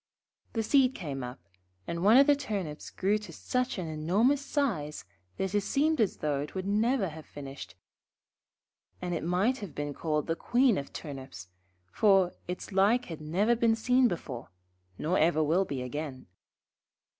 The seed came up, and one of the Turnips grew to such an enormous size, that it seemed as though it would never have finished; and it might have been called the Queen of Turnips, for its like had never been seen before, nor ever will be again.